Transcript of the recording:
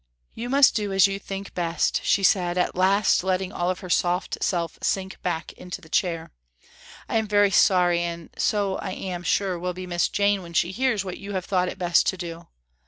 "You must do as you think best Anna," she said at last letting all of her soft self sink back into the chair. "I am very sorry and so I am sure will be Miss Jane when she hears what you have thought it best to do.